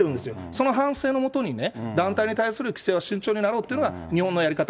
その反省のもとに、団体に対する規制は慎重になろうっていうのが日本のやり方。